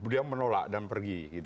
dia menolak dan pergi